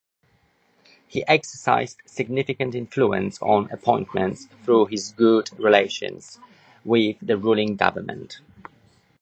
He exercised significant influence on appointments through his good relations with the ruling government.